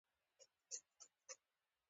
مرستیال لغتونه خپلواک نه دي.